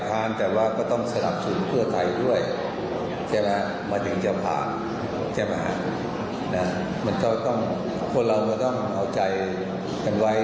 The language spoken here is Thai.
มันก็ต้องพวกเรามันต้องเข้าใจกันไว้